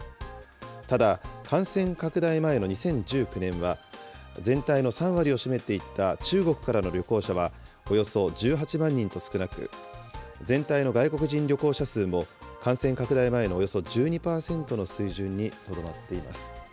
ただ、感染拡大前の２０１９年は、全体の３割を占めていた中国からの旅行者は、およそ１８万人と少なく、全体の外国人旅行者数も、感染拡大前のおよそ１２％の水準にとどまっています。